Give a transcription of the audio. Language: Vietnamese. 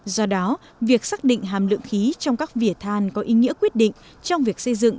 do đó việc xác định hàm lượng khí trong các vỉa than có ý nghĩa quyết định trong việc xây dựng các vỉa than